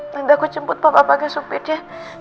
nanti aku jemput papa bagas supir ya